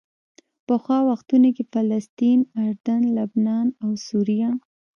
پخوا وختونو کې فلسطین، اردن، لبنان او سوریه.